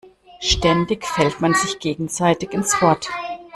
Ständig fällt man sich gegenseitig ins Wort.